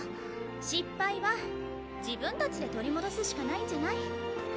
失敗は自分たちで取り戻すしかないんじゃない？